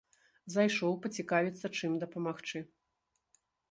Зайшоў пацікавіцца чым дапамагчы.